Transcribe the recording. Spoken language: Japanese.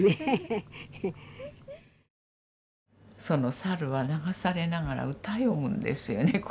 その猿は流されながら歌詠むんですよね。